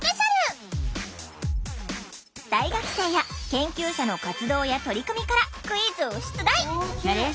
大学生や研究者の活動や取り組みからクイズを出題。